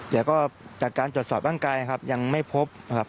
แต่ก็จากการตรวจสอบร่างกายนะครับยังไม่พบนะครับ